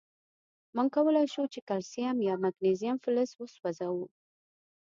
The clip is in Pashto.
مونږ کولای شو چې کلسیم یا مګنیزیم فلز وسوځوو.